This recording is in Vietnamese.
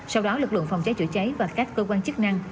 sau đó lực lượng phòng cháy chữa cháy và các cơ quan chức năng